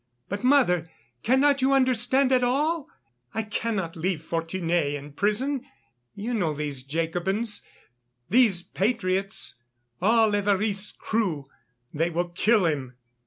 But, mother, cannot you understand at all? I cannot leave Fortuné in prison. You know these Jacobins, these patriots, all Évariste's crew. They will kill him.